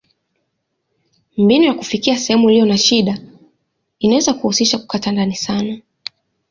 Mbinu ya kufikia sehemu iliyo na shida inaweza kuhusisha kukata ndani sana.